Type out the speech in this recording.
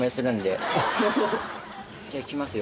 じゃあいきますよ。